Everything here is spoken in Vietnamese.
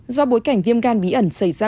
do bối cảnh viêm gan bí ẩn xảy ra